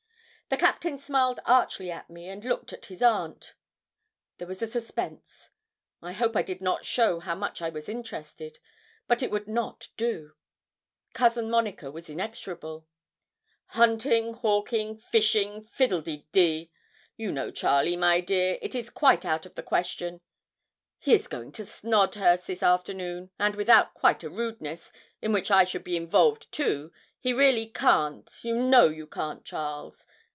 The Captain smiled archly at me, and looked at his aunt. There was a suspense. I hope I did not show how much I was interested but it would not do. Cousin Monica was inexorable. 'Hunting, hawking, fishing, fiddle de dee! You know, Charlie, my dear, it is quite out of the question. He is going to Snodhurst this afternoon, and without quite a rudeness, in which I should be involved too, he really can't you know you can't, Charles!